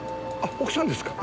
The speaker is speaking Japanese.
奥さんですか。